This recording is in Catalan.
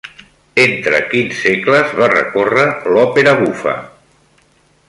Entre quins segles va recórrer l'òpera bufa?